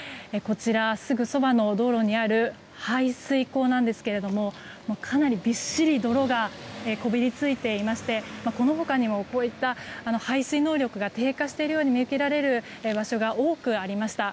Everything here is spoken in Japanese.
すぐそばの道路にある排水溝なんですけどもかなりびっしり泥がこびりついていましてこの他にも、こういった排水能力が低下しているように見受けられる場所が多くありました。